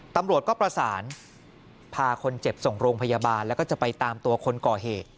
ตำรวจก็ประสานพาคนเจ็บส่งโรงพยาบาลแล้วก็จะไปตามตัวคนก่อเหตุ